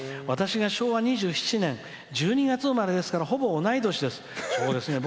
私が昭和２７年１２月生まれですからほぼ同い年です。